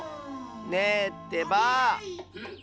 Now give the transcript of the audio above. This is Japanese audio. ねえってばあ！